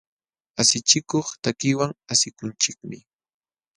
Asichikuq takiwan asikunchikmi.